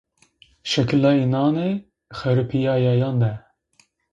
Şekilê înan ê xeripîyayeyan de